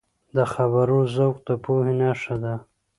د خبرو ذوق د پوهې نښه ده